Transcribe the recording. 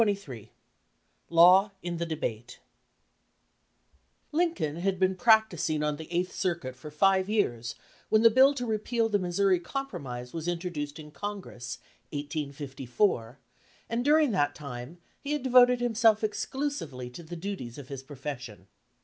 262 XXIII LAW IN THE DEBATE LINCOLN had been practising on the Eighth ■A Circuit for five years when the bill to repeal the Missouri Compromise was introduced in Con gress (1854) and during that time he had devoted himself exclusively to the duties of his profession.